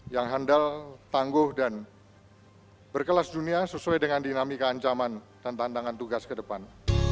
yang handal tangguh dan berkelas dunia sesuai dengan dinamika ancaman dan tantangan tugas ke depan